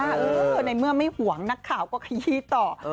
เออในเมื่อไม่ห่วงนักข่าวก็ขยี้ต่อ